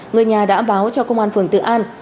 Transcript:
người nhà đã báo cho công an phường tự an